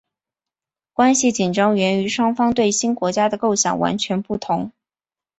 关系的紧张源于双方对新国家的构想完全不同。